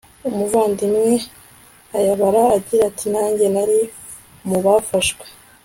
umuvandimwe aybar agira ati nanjye nari mu bafashwe